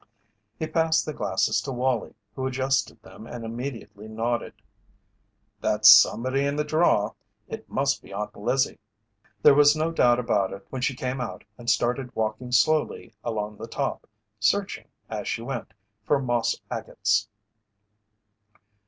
He passed the glasses to Wallie, who adjusted them and immediately nodded: "That's somebody in the draw; it must be Aunt Lizzie." There was no doubt about it when she came out and started walking slowly along the top, searching, as she went, for moss agates.